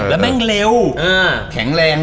แล้วแม่งเร็วแข็งแรง